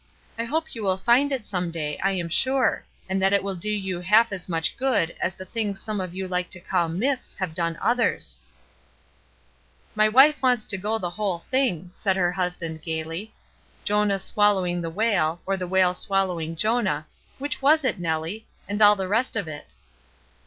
I hope you will find it some day, I am sure ; and that it will do you half as much good as the things some of you like to call 'myths' have done others," 268 ESTER RIED'S NAMESAKE "My wife wants to go the whole thing," said her husband, gayly. "Jonah swallowing the whale, or the whale swallowing Jonah — which was it, Nellie? — and all the rest of it."